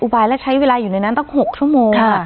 บายและใช้เวลาอยู่ในนั้นตั้ง๖ชั่วโมง